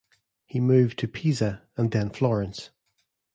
He moved to Pisa and then Florence.